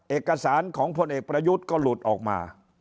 เอกสารของพลเอกประยุทธ์ก็หลุดออกมา